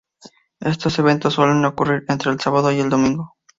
Estos eventos suelen ocurrir entre el sábado y el domingo.